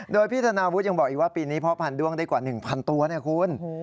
โดยพี่ธนาวุฒิยังบอกอีกว่าปีนี้พ่อพันธ้วงได้กว่า๑๐๐ตัวเนี่ยคุณ